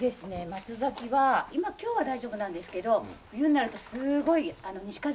松崎は今今日は大丈夫なんですけど冬になるとすごい西風が吹いて。